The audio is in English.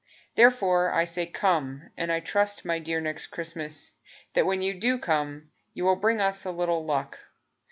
Therefore, I say "Come," And I trust, my dear Next Christmas, That when you do come You will bring us a little luck.